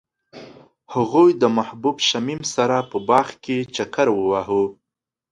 هغوی د محبوب شمیم سره په باغ کې چکر وواهه.